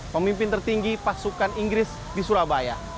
pemimpin tertinggi pasukan inggris di surabaya